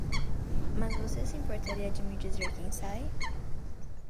Mas você se importaria de me dizer quem sai?